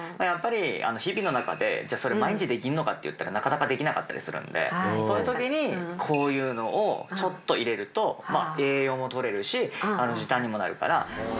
やっぱり日々の中でじゃあそれ毎日できんのかって言ったらなかなかできなかったりするんでそういうときにこういうのをちょっと入れるとまぁ栄養もとれるし時短にもなるから。